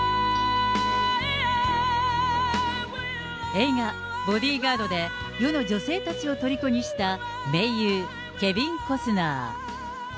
映画、ボディガードで世の女性たちをとりこにした名優、ケビン・コスナー。